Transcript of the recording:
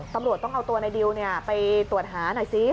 ตำรวจต้องเอาตัวในดิวไปตรวจหาหน่อยซิ